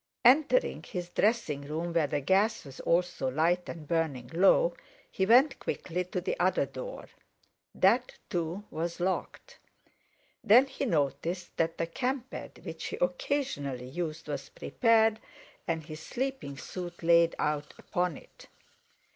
Entering his dressing room, where the gas was also lighted and burning low, he went quickly to the other door. That too was locked. Then he noticed that the camp bed which he occasionally used was prepared, and his sleeping suit laid out upon it.